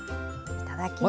いただきます。